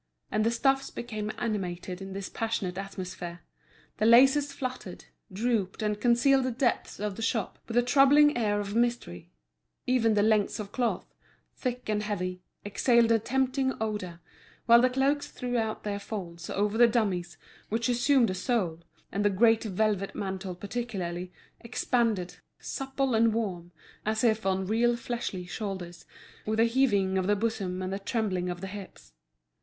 And the stuffs became animated in this passionate atmosphere: the laces fluttered, drooped, and concealed the depths of the shop with a troubling air of mystery; even the lengths of cloth, thick and heavy, exhaled a tempting odour, while the cloaks threw out their folds over the dummies, which assumed a soul, and the great velvet mantle particularly, expanded, supple and warm, as if on real fleshly shoulders, with a heaving of the bosom and a trembling of the hips.